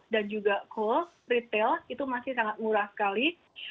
dan juga call retail itu masih sangat murah sekali